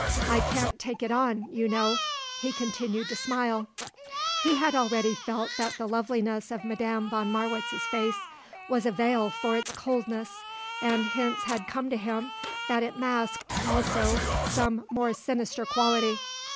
I can't take it on, you know," he continued to smile. He had already felt that the loveliness of Madame von Marwitz's face was a veil for its coldness, and hints had come to him that it masked, also, some more sinister quality.